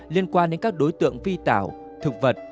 liên quan đến các đối tượng vi tảo thực vật